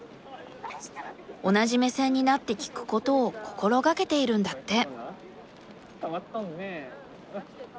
同じ目線になって聞くことを心掛けているんだって。